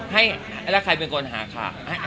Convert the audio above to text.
ให้แล้วใครเป็นคนหาข่าว